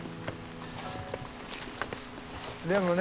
でもね